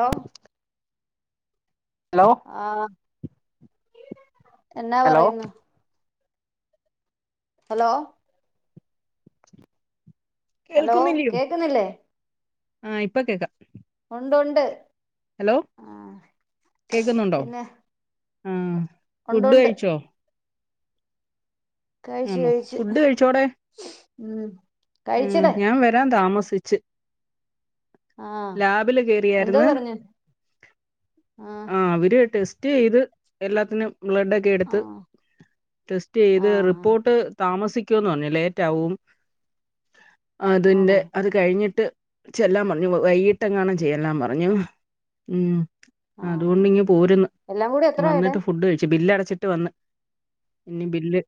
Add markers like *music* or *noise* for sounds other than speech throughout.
Hello hello ആ എന്നാ hello പറയുന്നു ഹലോ ഹലോ കേക്കുന്നില്ലേ ആ ഇപ്പം കേക്കാം ഉണ്ടുണ്ട് ഹലോ കേക്കുന്നുണ്ടോ പിന്നെ ആ ഉണ്ട് ഫുഡ് ഉണ്ട് കഴിച്ചോ കഴിച്ചു ആന്നോ കഴിച്ച് ഫുഡ് മം ഞാൻ വരാൻ താമസിച്ച് ആഹ് ലാബില് എന്തോ കേയറിയായിരുന്ന് പറഞ്ഞു ആഹ് ആ അവര് ടെസ്റ്റ് ടെ സ്റ്റ് ചെയ്ത് എല്ലാത്തിനും ബ്ലഡ് ഒക്കെ എടുത്ത് ആഹ് ടെസ്റ്റ് ചെയ്ത് ആഹ് ആഹ് റിപ്പോർട്ട് താമസി പറഞ്ഞ് ലേറ്റാകും അതിന്റെ ആണോ അത് കഴിഞ്ഞിട്ട് ചെല്ലാം പറഞ്ഞു വൈകിട്ടെങ്ങാനും ചെല്ലാൻ പറഞ്ഞു മം ആഹ് അതുകൊണ്ട് ആഹ് ഇങ്ങ് പോരുന്ന് എല്ലാം കൂടി എത്രയാടെ വന്നിട്ട് ഫുഡ് കഴിച്ചു ബില്ല് അടച്ചിട്ട് വന്ന് ഇനി ബില്ല്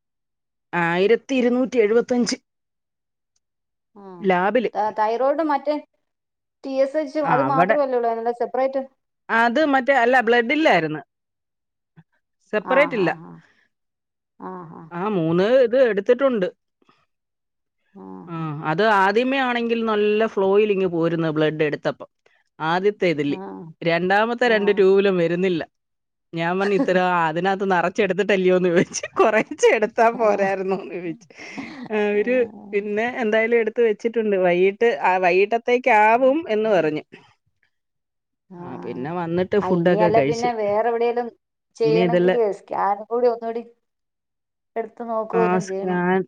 ആയിരത്തി ഇരനൂറ്റി എഴുപത്തിയഞ്ച് മം തൈറോയിഡ് മറ്റേ ടി എസ് എച്ച് ആ അത് അവിടെ മാത്രമല്ലേ ഉള്ളൂ അതിനുള്ള സെപ്പറേറ്റ് ആ അത് മറ്റേ അല്ല ബ്ലഡ് ഇല്ലാരിന്നു സെപ്പറേറ്റ് ആഹ് ഇല്ല ആഹ് ആഹ് ആ മൂന്ന് എടുത്തിട്ടുണ്ട് ആ ആഹ് ആഹ് അത് ആദ്യമയാണെങ്കിൽ നല്ല ഫ്ലോയിലിങ്ങ് പോരുന്നു ബ്ലഡ് എടുത്തപ്പം ആദ്യത്തെ ഇതിൽ ആഹ് രണ്ടാമത്തെ രണ്ട് ആഹ് ട്യൂബിലും വരുന്നില്ല ഞാൻ പറഞ്ഞ് ഇത്ര അതിനകത്ത് നറച്ചെടുത്തിട്ടല്ലയോന്ന് ചോദിച്ച് കൊറെ കുറച്ച് എടുത്താ ആഹ് ആഹ് പോരായിരുന്നൊ എന്ന് ചോദിച്ച് അവര് ആഹ് പിന്നെ എന്തായാലും എടു എടുത്ത് വെച്ചിട്ടുണ്ട്, വൈകിട്ട് വൈകിട്ടത്തേക്ക് ആകും എന്ന് പറഞ്ഞു ആ പിന്നെ വന്നിട്ട് ആ ഫുഡൊക്കെ ഇനിയല്ലേ കഴിച്ച്. പിന്നെ വേറെ എവിടെേലും ഇനി ഇതെല്ലാം ചെയ്യണമെങ്കില് സ്കാൻ കൂടി ഒന്നുകൂടി എടുത്ത് നോക്കുക ആ വല്ലോം ചെയ്യണം സ്കാൻ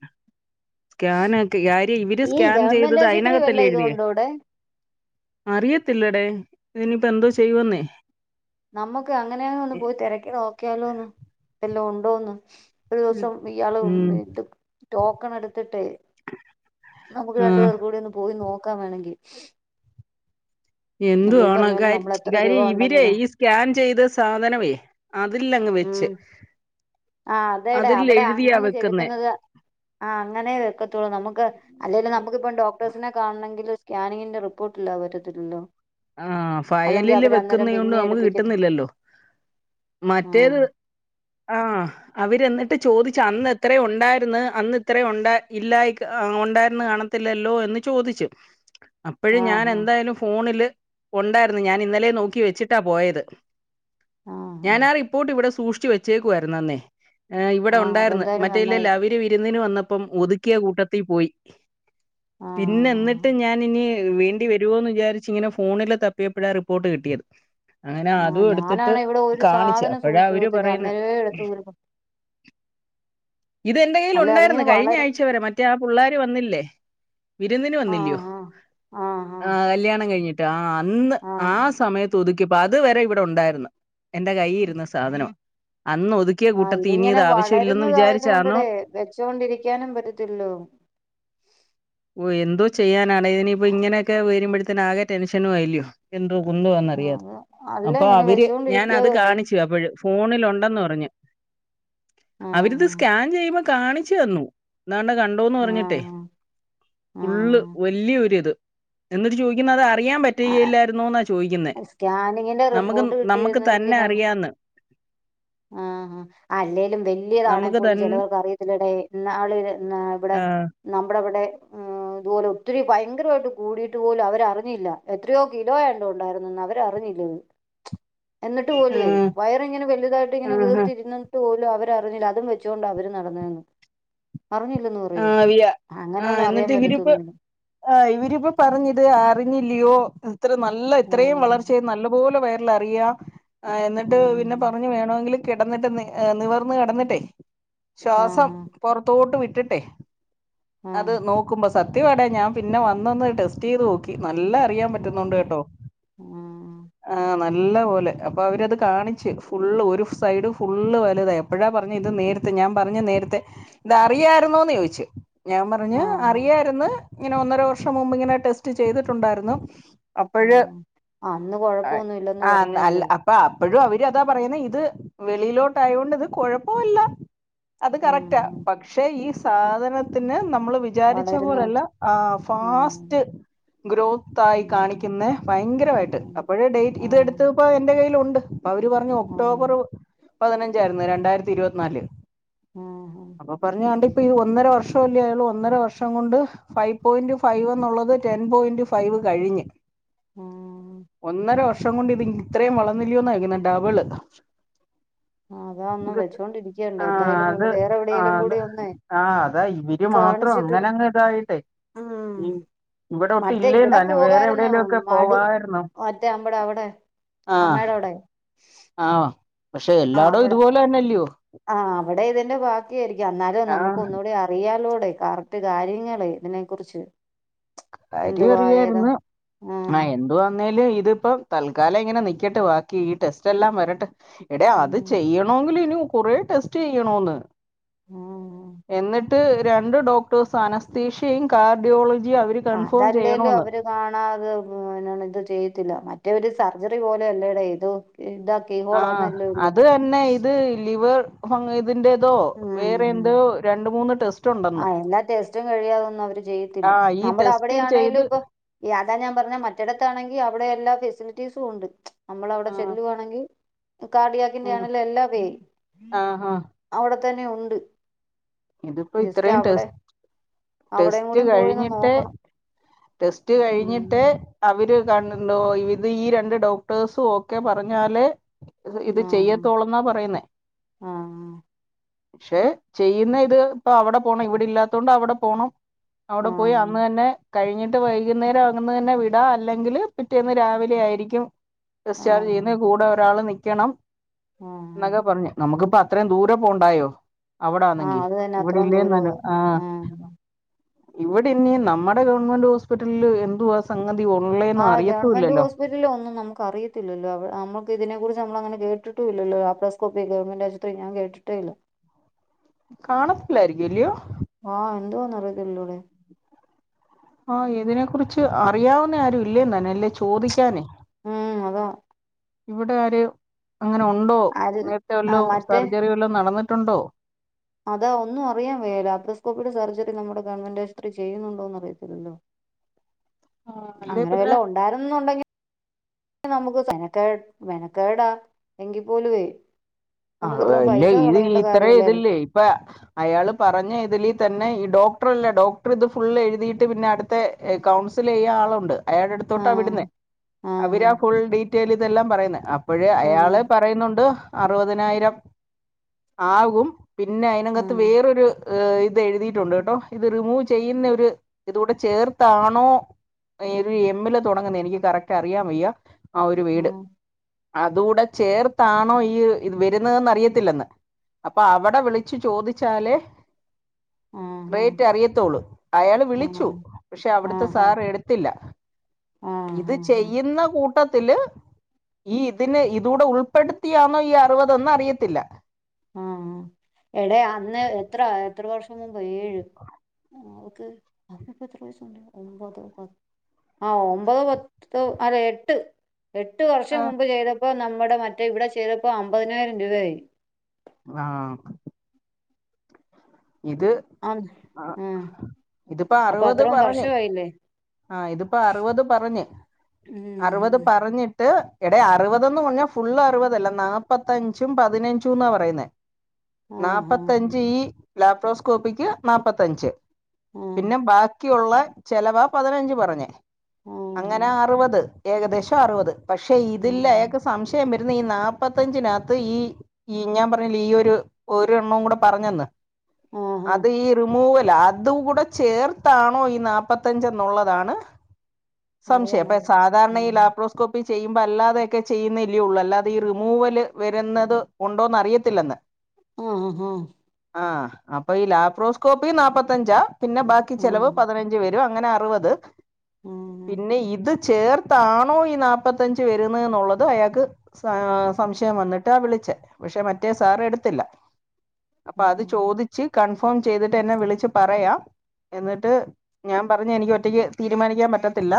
സ്കൻ ഒക്കെ കാര്യ ഇവര് ഈ സ്കാൻ ഗവൺമെന്റ് ചെയ്തത് ആശുപത്രി വല്ല അതിനതിനകത്തല്ലേ എഴുതിയേ ഇതുണ്ടോ അവിടെ അറിയത്തില്ലടേ ഇതിനിയിപ്പോ എന്തോ ചെയ്യുവെന്നേ നമ്മുക്ക് അങ്ങനെയാലു ഒന്ന് പോയി തെരക്കി നോക്കിയാലോന്ന് വെല്ലോം ഉണ്ടോന്ന് ഒരു ദിവസം ഇയാള് ഉം ഇത് ടോക്കൺ എടുത്തിട്ടേ *inaudible* നമുക്ക് ആ രണ്ടു പേർക്കൂടി ഒന്ന് പോയി നോക്കാം വേണെങ്കി എന്തുവാണോ ഖാര്ച് നമ്മൾ *unintelligible* എത്ര രൂപ കാര്യം ഇവരെ ഉണ്ടെങ്കിലാ ഈ സ്കാൻ ചെയ്ത സാധനവേ അതിൽ ലങ് ഉം വെച്ച് ആ അതേടെ അതിൽ അവ്ടെ എഴുതിയാ അങ്ങനെ വെക്കുന്നേ ചെടുക്കുന്നത് ആ അങ്ങനേ വെക്കത്തൊള്ളു നമുക്ക് അല്ലേലും നമുക്കിപ്പം ഡോക്ടേഴ്സിനെ കാൺണെങ്കില് സ്കാനിങ്ങിന്റെ റിപ്പോർട്ടില്ലാ അവര് തരുവല്ലോ ആ ഫയലില് വെക്കുന്നയോണ്ട് പിന്നെ നമുക്ക് എടുപ്പിക്കത്തി കിട്ടുന്നില്ലല്ലോ മറ്റേത് ആഹ് ആ അവര് എന്നിട്ട് ചോദിച്ച് അന്ന് എത്ര ഒണ്ടായിരുന്ന് അന്ന് ഇത്രേ ഒണ്ടാ ഇല്ലായി ആ ഒണ്ടായിര്ന്ന് കാണ ത്തില്ലല്ലോ എന്ന് ചോദിച്ച് അപ്പോഴും ഞാൻ ആഹ് ആഹ് എന്തായാലും ഫോണില് ഒണ്ടായിരുന്ന് ഞാൻ ഇന്നലെ നോക്കി വെച്ചിട്ടാ പോയത് ആഹ് ഞാനാ റിപ്പോർട്ട് ഇവിടെ സൂക്ഷിച്ചു വെച്ചേക്കുവാരുന്നെന്നേ ആ ഇവിടെ ആഹ് ഒണ്ടായിരുന്ന് അതെന്തായാലും നന്നായി മറ്റേല്ലലവിര് വിരുന്നിന് വന്നപ്പം ഒതുക്കിയ കൂട്ടത്തിപോയി പിന്നെ ആഹ് എന്നിട്ട് ഞാനിനി വേണ്ടി വരുവോന്ന് വിചാരിച്ച് ഇങ്ങനെ ഫോ ഫോണില് തപ്പിയപ്പൊഴാ റിപ്പോർട്ട് കിട്ടിയത് അങ്ങനെ ആഹ് അതും എടുത്ത്ട്ട് ഞാനാണെ ഇവിടെ ഒരു കാണിച്ച് സാധനം അപ്പഴാ സൂക്ഷിച്ചു അവര് വെക്കത്തില്ല പറയുന്നെ അന്നേരേ എടുത്ത് ഊരിപ്പോ ഇത് എൻ്റെ കയ്യിൽ അല്ല ഒണ്ടായ്ര്ന്ന് അതിങ്ങനെ കഴിഞ്ഞ വളരും ആഴ്ച വരെ മറ്റേ ആ പുള്ളാര് വന്നില്ലേ വിരുന്നിന് വന്നില്ല്യോ ആഹ് ആഹ് ആഹ് ആ ആഹ് കല്യാണം കഴിഞ്ഞി അന്ന് ആ ആഹ് സമയത്ത് ഒതു ക്കിപ്പാ അത് വരെ ഇവിടെ ഒണ്ടായിരുന്നു എന്റെ കയ്യീ ഇരുന്ന സാധനവാ അന്ന് ഒതുക്കിയ ആഹ് കൂട്ടത്തി ഇനി ഇതിങ്ങനെ ഇത് ആവശ്യം ഇല്ലെന്ന് വളരുന്നതായത് വിചാരിച്ചാണോ കൊണ്ടടേ വെച്ചോണ്ടിരിക്കാനും പറ്റത്തില്ലല്ലോ ഓ എന്തോ ചെയ്യാനാണ് ഇതിനിയിപ്പോ ഇങ്ങനെയൊക്കെ വയരുമ്പോഴത്തേന് ആകെ ടെൻഷനും ആയില്ല്യോ എന്തോ എന്തുവാന്നറിയോ ആഹ് അല്ല അപ്പോ ഇങ്ങനെ അവര് ഞാനത് വെച്ചോണ്ടിരിക്കാതെ കാണിച്ചു അപ്പൊഴ് ഫോണിലൊണ്ടെന്ന് പറഞ്ഞ് അവരിത് ആഹ് സ്കാൻ ചെയ്യുമ്പോ കാണിച്ചു തന്നു ദാണ്ടെ കണ്ടോന്ന് പറഞ്ഞിട്ടെ ആഹ് ഫുള്ള് ആഹ് വല്ല്യ ഒരിത് എന്നിട്ട് ചോദിക്കുന്നത് അറിയാൻ പറ്റുകയില്ലായിരുന്നോന്നാ ചോയീക്കുന്നെ സ്കാനിങ്ങിന്റെ നമുക്ക് റിപ്പോർട്ട് നമുക്ക് തന്നെ അറിയാന്ന് ആ ആ അല്ലേലും വെല്ല്യതാണെ നമുക്ക് പോലും തൻ ചെലവർക്ക് അറിയത്തില്ലടേ ന്നാള് ന്ന ഇവ്ടെ ആഹ് നമ്മുടെവിടെ ഇതുപോലെ ഒത്തിരി ഭയങ്കരവായിട്ട് കൂടിട്ട് പോലും അവരറിഞ്ഞില്ല എത്രയോ കിലോയാണ്ട് ഉണ്ടായിരുന്നെന്ന് അവരറിഞ്ഞി *unintelligible* എന്നിട്ട് പോലുവേ ആഹ് വയറിങ്ങെ വെലുതായിട്ട് ഇങ്ങനെ ആഹ് വീർത്തിര്ന്നി ട്ട് പോലും അവരറിഞ്ഞില്ല അതും വെച്ചോണ്ട് അവര് നടന്നൂന്ന് ആ വിയ ആ അറിയാൻ ന്നിട്ട് ഇവരിപ്പൊ പറ്റത്തൊന്നുമില്ല ആ ഇവരിപ്പോ പറഞ്ഞത് അറിഞ്ഞില്ലിയോ ഇത്ര നല്ല ഇത്രയും ആഹ് വളർച്ചയ നല്ലപോലെ വയറില് അറിയാം ആ എന്നിട്ട് പിന്നെ ഉം പറഞ്ഞു വേണവെങ്കിൽ കെടന്നിട്ട് നി നിവർന്ന് കെടന്നിട്ടേ ശ്വാസം ആഹ് പാെറത്തോട്ട് വിട്ടിട്ടെ അത് ആഹ് നോക്കുമ്പ സത്യവാടെ ഞാൻ പിന്നെ വന്നൊന്ന് ടെസ്റ്റെയ്ത് നോക്കി ന ല്ല അറിയാൻ പറ്റുന്നൊണ്ട് ആഹ് കേട്ടോ ആഹ് ആ ന നല്ല പോലെ അപ്പൊ അവരത് കാണിച്ച് ഫുള്ള് ഒരു സൈഡ് ഫുള്ള് വല്തായി അപ്പഴാ പറഞ്ഞെ ഇത് നേരത്തെ ഞാൻ പറഞ്ഞ് നേരത്തെ ഇത് അറിയായിരുന്നോന്ന് ചോയ്ച്ച് ഞാൻ പറഞ്ഞ് ആഹ് അറിയാരുന്ന് ഇങ്ങനെ ഒന്നര വർഷം മുമ്പ് ഇങ്ങനെ ടെസ്റ്റ് ചെയ്തിട്ടൊണ്ടായിരുന്നു അപ്പോഴ് ആഹ് അന്ന് കൊഴപ്പൊന്നും ഇല്ലെന്ന് ആ അല്ല പറഞ്ഞല്ലേ അപ്പ അപ്പോഴും അവര് അതാ പറയുന്ന ഇത് വെളിയിലോട്ട് ആയോണ്ട് ഇത് കൊഴപ്പവല്ല അത് ഉം കറക്റ്റാ ഉം പക്ഷെ ഈ സാധനത്തിന് ന മ്മള് വിചാരിച്ച വളരുന്നോണ്ട് പോലല്ല ആ ആഹ് ഫാസ്റ്റ് ഗ്രോത്തായി ഉം കാണിക്കുന്നെ ഭയങ്കരവായിട്ട് ഉം അപ്പോഴ ഡേറ്റ് ആഹ് ഇതെടുത്തപ്പ എന്റെ കയ്യിൽ ഉ ണ്ട് അപ്പോ അവര് പറഞ്ഞു ആഹ് ഒക്ടോബർ പതിനഞ്ചായിരുന്നു രണ്ടായിരത്തി ഇരുപത്തിനാല് ആഹ് അപ്പൊ പറഞ്ഞ് *unintelligible* ണ്ട് ഇപ്പോ ഈ ഒന്നര വർഷല്ലേ അയോള് ഒന്നര വർഷം കൊണ്ട് ഫൈവ് പോയിന്റ് ഫൈവ് എന്നുള്ളത് ടെൻ പോയിന്റ് ഫൈവ് കഴിഞ്ഞ് ആഹ് ഒന്നര വർ വർഷം കൊണ്ട് ഇതി ഇത്രയും വളർന്നില്ലോന്നാ ഇതിനെ ഡബിള് ആ അതാ ഒന്നും ഇത് വെച്ചോണ്ടിരിക്കണ്ട ആ എന്തായാലും അത് ഒന്ന് വേറെ ആ എവിടെലും അത് കൂടി ഒന്നേ ആ അതാ ഇവര് മാത്രം അങ്ങനങ്ങ് ഇതായിട്ടെ ഉം മറ്റേ ഇവിടെ പോകായിരുന്നു ഒക്കെ മടു പോവായിരുന്നു മറ്റേ നമ്മടെ അവിടെ അമ്മേടാവിടെ ആ പക്ഷെ എല്ലാടോം ഇതുപോലന്നെ അല്ലേയോ ആഅവിടെ ഇതിന്റെ ബാക്കിയായിരിക്കും എന്നാലും നമുക്ക് ഒന്നുകൂടി അറിയാലോ ടെ കറക്റ്റ് കാര്യങ്ങളെ ഇതിനെ കുറിച്ച് കാര്യം എന്തുവാ ഏതാ അറിയായിരുന്നു ആ ആഹ് എന്തു വന്നേലും ഇ ഇതിപ്പം തൽക്കാലം ഇങ്ങനെ നിക്കട്ട് ബാക്കി ഈ ടെസ്റ്റ് എല്ലാം വരട്ട് എടെ അത് ആഹ് ചെയ്യണോങ്കിലും ഇനി കുറേ ടെസ്റ്റ് ചെയ്യണോന്ന് ആഹ് എന്നിട്ട് രണ്ട് ഡോക്ടേഴ്സ് അനസ്തെഷ്യയും കാർഡിയോളജിയും അവര് ആ കൺഫേം അതല്ലേലും ചെയ്യണോന്ന് അവര് കാണാതെ ഇത് ചെയ്യത്തില്ല മറ്റേര് സർജറി പോലെ അല്ലേടെ ഇത് ഇതാ ആ കീഹോളാന്നല്ലേ ഉള്ളൂ അത് തന്നെ ഇത് ലിവർ ഇതിന്റെതൊ വേറെ എന്തോ രണ്ട് മൂന്ന് ടെസ് ആഹ് എല്ലാ ടേസ്റ്റും കഴിയാതൊന്നും അവര് ചെയ്യത്തില്ല ആഹ് ഈ നമ്മുടെ ടെസ്റ്റും അവിടെയാണേലും ചെയ്ത് ഇപ്പൊ അതാ ഞാൻ പറഞ്ഞ മറ്റെടുത്താണങ്കി അവിടെ എല്ലാ ഫെസിലി റ്റിസും ഉണ്ട് നമ്മൾ അവിടെ ആഹ് ചെല്ലുവാണെങ്കിൽ കാടിയാക്കിന്റെ ഉം ആണെലും എല്ലാ വേ ആഹ് ആഹ് അവിടെ തന്നെ ഉണ്ട് ഇതിപ്പോ ജസ്റ്റ് ഇത്രയും അവിടെ ടെസ് അവിടെയും ടെസ്റ്റ് കൂടി പോയൊന്ന് കഴിഞ്ഞിട്ടെ നോക്കണം ടെസ്റ്റ് കഴിഞ്ഞിട്ടെ ഉം അവര് കാണുണ്ടോ ഇത് ഈ രണ്ട് ഡോക്ടേഴ്സും ഓക്കെ പറഞ്ഞാലെ ഇത് ആഹ് ചെയ്യത്തോളെന്നാ പറയുന്നേ ആഹ് പക്ഷെ ചെയ്യുന്ന ഇത് ഇപ്പൊ അവിടെ പോണം ഇവിടെ ഇല്ലാത്ത കൊണ്ട് അവിടെ പോണം അവിടെ പോയി ആഹ് അന്ന് തന്നെ കഴിഞ്ഞിട്ട് വൈകുന്നേരം അന്ന് തന്നെ വിടാ അല്ലെങ്കില് പിറ്റേന്ന് രാവിലെ ആയിരിക്കും ഡിസ്ചാർജ് ചെയ്യുന്ന ആഹ് കൂടെ ഒരാള് നിക്കണം ആഹ് ആഹ് എന്നൊക്കെ പറഞ്ഞു നമുക്കിപ്പ അ അത്രയും ദൂര പോണ്ടയൊ ആഹ് അവിടന്നെങ്കി അത് തന്നെ ഇവിടെ അത്രോം ഇല്ലേന്ന് ദൂരവോ ആഹ് ഇവിടെ ഇനി നമ്മുടെ ഗവൺമെന്റ് ഹോസ്പിറ്റലില് എന്തുവാ സ ആഹ് ഗവൺമെന്റ് ഹോസ്പിറ്റല് ഒന്നും നമുക്ക് അറിയത്തില്ലല്ലോ അവ നമ്മ ഇതിനെ കുറിച്ച് നമ്മൾ അങ്ങനെ കേട്ടിട്ടു ഇല്ലല്ലോ ലപ്രോസ്കോപ്പി ഗവൺമെന്റ് ആശുപത്രി ഞാൻ കേട്ടിട്ടെ ഇല്ല കാണത്തില്ലായിരിക്കും ഇല്ലയോ എന്തവാന്നറിയത്തില്ലലോടെ ആ ഇതിനെ കുറിച്ച് അറിയാവുന്ന ആരും ഇല്ലന്നെ താന്നും ല്ലേ ചോദിക്കാനേ ഉം അത ഇവിടെ ആര് അങ്ങനെ ഉണ്ടോ അത് നേരത്തെ ആഹ് വല്ലോം മറ്റേ സർജറി വല്ലോം നടന്നി ട്ടുണ്ടോ അതാ ഒന്നും അറിയൻ വേലാ ലാപ്രോസ്കോപ്പിയുടെ സർജറി നമ്മുടെ ഗവൺമെന്റ് ആശുപത്രി ചെയ്യുന്നുണ്ടോന്ന് അറിയത്തില്ലല്ലോ ആഹ് അല്ലേ അങ്ങനെ പിന്നെ വല്ല ഉണ്ടായിരുന്നുണ്ടെങ്കി നമുക്ക് മെനക്കേ മെനക്കേടാ എങ്കിൽ പോലുവേ നമുക്ക് ആഹ് ഇത്രോം ഇല്ലേ പൈസ ഇത് കളയേണ്ട ഇത്ര കാര്യമില്ലായിരുന്നു ഇത്ല്ലേ ഇപ്പ അയാള് പറഞ്ഞ ഇതില് തന്നെ ഈ ഡോക്ടർ അല്ല ഡോക്ടർ ഇത് ഫുള്ള് എഴുതീട്ട് പിന്നെ അട്ത്ത കൗൺസില് ചെയ്യാ ആളവ്ടാ അയാടെ അട്ത്തോട്ടാ വിടുന്നെ ആഹ് ആഹ് അവരാ ഫുൾ ഡീറ്റെയിൽ ഇതെല്ലാം പറയുന്നേ അപ്പോഴെ ആഹ് അയാള് പറയുന്നുണ്ട് അറുപതിനായിരം ആകും. പിന്നെ അയ്നകത്ത് ആഹ് വേറൊരു ഹ് ഇത് എഴുതിട്ടുണ്ട് ട്ടോ, ഇത് റിമൂവ് ചെയ്യുന്ന ഒര് ഇതൂടെ ചേർത്താണോ? എത് എമ്മില് തുടങ്ങുന്ന എനിക്ക് കറക്റ്റ് അറിയാൻ വയ്യ ആഹ് ഒരു വീട്. അതു കൂടെ ചേർത്താണോ ഈ ഇത് വരുന്നതെന്ന് അറിയത്തില്ലെന്ന്. അപ്പൊ അവിടെ വിളിച്ചു ചോദിച്ചാലേ.. ആഹ് ആഹ് റേറ്റ് അറിയത്തോളു അയാള് ആഹ് വിളിച്ചു, പക്ഷെ അവിട്ത്തെ ആഹ് സാറ് എടുത്തില്ല. ഇത് ആഹ് ആഹ് ചെയ്യുന്ന കൂ ട്ടത്തില് ഈ ഇതിന് ഇതൂടെ ഉൾപ്പെടുത്തിയാണോ ഈ അറുപതെന്ന് അറിയത്തില്ല. ആഹ് എടെ അന്ന് എത്ര എത്ര വർഷം മുമ്പ് ഏഴ് അവക്ക് ഇപ്പ എത്ര വയസുണ്ട് ഒമ്പത് പ ആ ഒമ്പതോ പത്തോ അല്ല എട്ട്. എട്ട് വർഷം ആ മുമ്പ് ചെയ്തപ്പോ നമ്മടെ മറ്റേ ഇവിടെ ചെയ്തപ്പോ അമ്പതിനായിരം രൂപയായി ആഹ് അം ആ.. ഇത്പ്പ അപ്പൊ അറുപത് അത്രയും പറഞ്ഞ് വർഷമായില്ലേ ആഹ് ഇത്പ്പ അറ്പത് പറഞ്ഞ്. അറ്പത് ഉം പറഞ് ട്ട് എടെ അറ്പതന്ന് പറഞ്ഞാ ഫുള്ള് അറുപതല്ല. നാല്പ്പത്തഞ്ചും പതിനഞ്ചും എന്നാ പറയുന്നേ ആഹ് ആഹ് നാപ്പത്തഞ്ച് ഈ ലാപ്രോസ് കോപ്പിക്ക് നാപ്പത്തഞ്ച് ആഹ് പിന്നെ ബാക്കിയുള്ളെ ചെലവ് പതിനഞ്ച് പറഞ്ഞേ ആഹ് അങ്ങനെ അറുപത് ഏകദേശം അറുപത് പക്ഷെ ഇതിൽ ആഹ് അയാൾക്ക് സംശയം *unintelligible* ഈ നാല്പ്പത്തഞ്ചിനകത്ത് ഈ ഈ ഞാൻ പറഞ്ഞില്ലെ ഈ ഒരു ഒരെണ്ണവും കൂടെ പറഞ്ഞന്ന്. ആഹ് ആഹ് അത് ഈ റിമൂവൽ ല അതും കൂടെ ചേർത്താണോ ഈ നാൽപതഞ്ച് എന്നുള്ളതാണ് സംശയം അപ്പൊ അറിയാനുള്ള സാധാരണ ഈ ആഹ് ലാപ്രോസ്കോപി ചെയ്യുമ്പ അല്ലാതെയൊക്കെ ചെയ്യുന്നല്ല്യേയുള്ളൂ അല്ലാതെ ഈ റിമൂവല് വരുന്നത് ഉണ്ടോന്ന് അറിയത്തില്ലെന്ന്. ആ ആ ആ ആ അപ്പൊ ഈ ലാപ്രോസ്കോപ്പി നാപ്പത്തഞ്ചാ പിന്നെ ബാക്കി ചെലവ് ആഹ് പതിനഞ്ച് വ *unintelligible* അങ്ങനെ അറുപത് ആഹ് പിന്നെ ഇത് ചേർത്താണോ ഈ നാപ്പത്തഞ്ച് വരുന്നത് ന്നുള്ളത് അയാൾക്ക് സാ സംശയം വന്നിട്ട് ആ വിളി ച്ച് പക്ഷെ മറ്റേ സാർ എടുത്തില്ല അപ്പൊ അത് ആഹ് ചോദി കൺഫോം ചെയ്തിട്ട് എന്നെ വിളിച്ച് പറയാം എന്നിട്ട് ഞാൻ പറഞ്ഞു എനിക്ക് ഒറ്റക് തീരുമാനിക്കാൻ പറ്റത്തില്ല.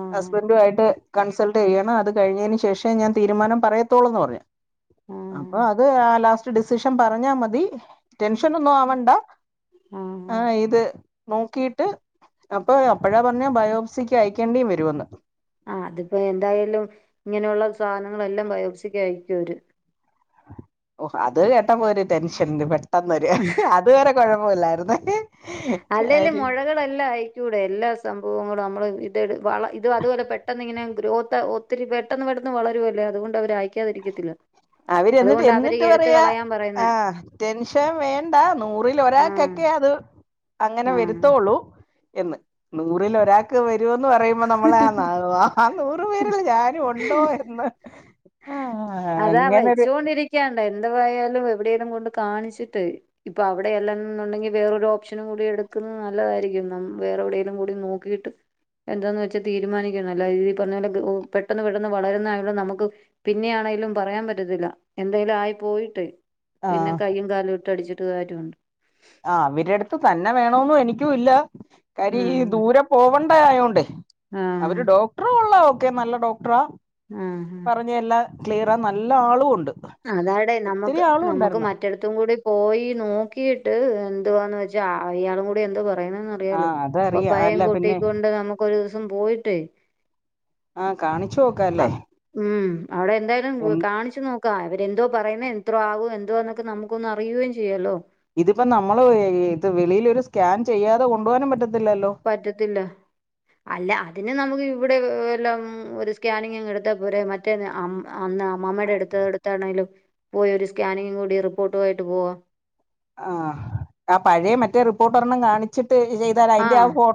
ആഹ് ഹസ്ബൻറു ആയിട്ട് കൺസൾട്ട് ചെയ്യണം. അത് കഴിഞ്ഞതിന് ശേഷം ഞാൻ തീരുമാനം പറയത്തോള്ളൂ എന്ന് പറഞ്ഞു. അപ്പൊ ആഹ് അത് ആ ലാസ്റ്റ് ഡിസിഷൻ പറഞ്ഞാ മതി. ടെൻഷൻ ഒന്നും ആവണ്ട ആഹ് ആ ഇത് നോക്കിട്ട് അപ്പൊ അപ്പഴാ പറഞ്ഞ ബയോപ്സിക്ക് അയക്കേണ്ടേ വരുമെന്ന്. ആ അതിപ്പോ എന്തായാലും ഇങ്ങനെയുള്ള സാധനങ്ങളെല്ലാം ബയോപ്‌സിക്ക് അയക്കും അവര്. ഓ അത് കേട്ടപ്പോ ഒരു ടെൻഷൻ പെട്ടെന്ന് അത് വരെ കുഴപ്പല്ലായിരുന്നു. അല്ലേലും മുഴകളെല്ലാം ആയി. ടെ എല്ലാ സംഭവങ്ങളും നമ്മള് ഇത് വ ഇത് അതുപോലെ പെട്ടെന്ന് ഇങ്ങനെ ഗ്രോത്ത് ഒത്തിരി പെട്ട *unintelligible* *unintelligible* *unintelligible* വളരുലെ അതുകൊണ്ട് അവര് അയക്കാതിരിക്കത്തില്ല. അവര് എന്നിട്ട് അതുകൊണ്ട് അവര് എന്നിട്ട് എടുത്ത് പറയാ. കളയാൻ ആ പറയുന്നേ ടെൻഷൻ വേണ്ട നൂറിൽ ആഹ് ഒരാൾക്കൊക്കെ അത് അങ്ങനെ ആഹ് വരുത്തുള്ളൂ എന്ന് നൂറിൽ ഒരാക്ക് ന്ന് പറയുമ്പോ നമ്മളൊ ആ നൂറ പേരുള്ള ഞാനും ഉണ്ടോ എന്ന് ആ, അതാ അങ്ങനൊരു വെച്ചുകൊണ്ടിരിക്കണ്ടായി എന്തായാലും എവിടെലും കൊണ്ട് കാണിച്ചിട്ട് ഇപ്പൊ അവിടെയല്ലുണ്ടെങ്കിൽ വേറൊരു ഓപ്ഷനും കൂടി എടു നല്ലതായിരിക്കും ന വേറെ എവിടെേങ്കലും കൂടി നോക്കിയിട്ട് എന്താെന്ന് വെച്ചൽ തീരുമാനിക്കുന്നു അല്ലഈ പറഞ്ഞ പോലെ പെട്ടെന്ന് പെട്ടന്ന് വളരുന്ന ആണെ നമുക്ക് പിന്നെയാണെങ്കിലും ഒന്നും പറയാൻ പറ്റത്തില്ല എന്തേലും ആയി പോയിട്ട് ആ പിന്നെ കയ്യും കാലും ഇട്ട് അടിച്ചിട്ട് കാര്യുണ്ട് ആ അവരുടുത്ത് തന്നെ വേണന്നും എനിക്കും ഇല്ല കാര്യ ഉം ഈ ദൂരെ പോവണ്ട ആയോണ്ട് ആഹ് അവര് ഡോക്ടറ ഉള്ള ഒക്കെ നല്ല ഡോക്ടറാ ആ ക്ലിയറ ആ നല്ല ആളും ഉണ്ട് അതാടെ ഒത്തിരി നമുക്ക് ആളും നമുക്ക് ഉണ്ടായിരുന്നു മറ്റടത്തും കൂടി പോയി നോക്കിയിട്ട് എന്ന് വെച്ചാ അയാളും കൂടി എന്ത് പറയുന്നന്ന് ആ അറിയാലോ അതറിയാം പപ്പപ്പായയും അല്ല കുട്ട പിന്നെ കൊണ്ട് നമുക്കൊരു *unintelligible* പോയിട്ടേ ആഹ് കാണി ഉം അവിടെ എന്തായാലും എന്ത് കാണിച്ചു നോക്ക് ക്കാ ആ ഇവരെന്തോ പറയുന്നത് എത്രോ ആകോ എന്തോന്നൊക്കെ നമുക്കൊ ഒന്ന് അറിയുകയും ചെയ്യാലോ ഇതിപ്പോ നമ്മള് ഇത് വെളിലൊരു സ്കാൻ ചെയ്യാതെ കൊണ്ടുപകാനും പറ്റത്തി പറ്റത്തില്ല അല്ല അതിന് നമുക്ക് ഇവിടെ എല്ലാം ഒരു സ്കാനിംഗ് അങ്ങ് എടുത്ത പോരെ മറ്റേ അം അന്ന് അമ്മമ്മേടെ അടുത്ത് എടുത്തണേലും പോയി ഒരു സ്കാനിങ്ങും കൂടി റിപ്പോർട്ടു ആയിട്ട് പോവാം ആഹ് ആ പഴയ മറ്റേ റിപ്പോർട്ട് കാണിച്ചിട്ട് ചെയ്താൽ അതിന്റെ ആ ഫോ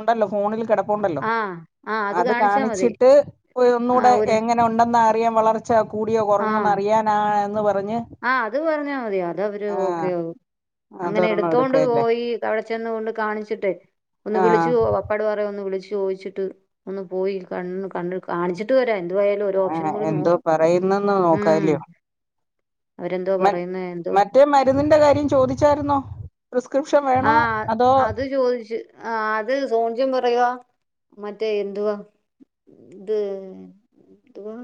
ഉണ്ടല്ലോ ഫോണിൽ കിടപ്പുണ്ടല്ലോ ആ ആ അത് കാണിച്ചാൽ മതി കാണിച്ചിട്ട് ആ ഒന്നുടെ ഒരു എങ്ങനെ ഉണ്ട് എന്ന് അറിയൻ വളർച്ച കൂടിയോ കുറഞ്ഞോന്ന് അറിയാനാ എന്ന് പറഞ്ഞ് ആഹ് അത് പറഞ്ഞാൽ മതി അത് അവര് ആ, ഓക്കെ ആകും അങ്ങനെ അതൊരെണ്ണം എടുത്തോണ്ട് എടുക്കല്ലേ പോയി അവിടെ ചെന്ന് കൊണ്ട് കാണിച്ചിട്ടേ ഒന്ന് ആഹ് വിളിച്ചു അപ്പാട് പറയും ഒന്ന് വിളിച്ചു ചോദിച്ചിട്ട് ഒന്ന് പോയി കണ്ണ് ക കാണിച്ചിട്ട് വരാരുന്നു ആഹ് എന്തോ പറയുന്നന്ന് ഉം നോക്കാലോ അവരെന്തോ മ പറയുന്നത് എന്തോ മറ്റേ മരുന്നിന്റെ കാര്യം ചോദിച്ചായിരുന്നോ പ്രിസ്ക്രിപ്ഷൻ വേണോ ആഹ് അതോ അത് ചോദിച്ചു ആ അത് സോൺചൻ പറയ മറ്റേ എന്തുവാ ഇത് എതുവാ